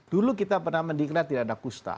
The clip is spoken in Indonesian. dulu kita pernah mendiklat tidak ada kusta